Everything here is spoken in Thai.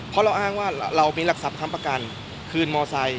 เพราะเราอ้างว่าเรามีหลักทรัพค้ำประกันคืนมอไซค